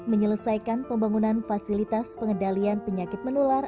menyelesaikan pembangunan fasilitas pengendalian penyakit menular